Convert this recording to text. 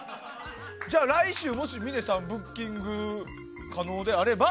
じゃあ、来週もし峰さんブッキング可能であれば。